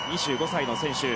２５歳の選手。